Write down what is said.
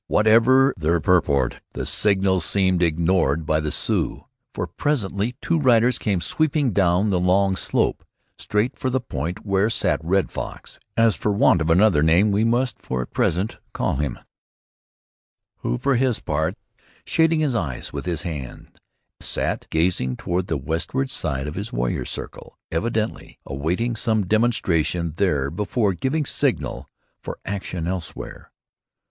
Whatever their purport, the signals seemed ignored by the Sioux, for presently two riders came sweeping down the long slope, straight for the point where sat Red Fox, as, for want of other name, we must for the present call him who, for his part, shading his eyes with his hand, sat gazing toward the westward side of his warrior circle, evidently awaiting some demonstration there before giving signal for action elsewhere.